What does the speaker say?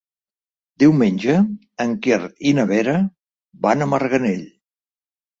Diumenge en Quer i na Vera van a Marganell.